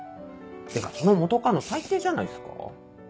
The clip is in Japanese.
てかその元カノ最低じゃないっすか？